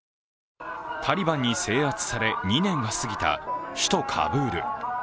タリバンに制圧され２年が過ぎた首都カブール。